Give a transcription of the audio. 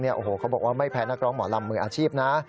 โอ้โหเขาบอกว่าไม่แพ้นักร้องหมอลำมืออาชีพนะ